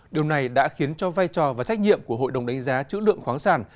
điều này đã khiến cho vai trò và trách nhiệm của hội đồng đánh giá chữ lượng khoáng sản